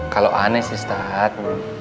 kalau aneh sih ustaz